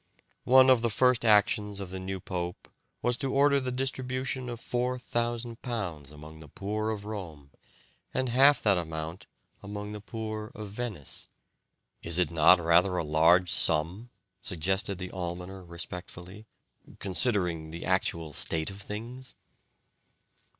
One of the first actions of the new pope was to order the distribution of four thousand pounds amongst the poor of Rome, and half that amount amongst the poor of Venice. "Is it not rather a large sum?" suggested the almoner respectfully, "considering the actual state of things?"